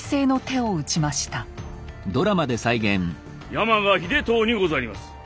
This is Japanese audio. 山鹿秀遠にございます。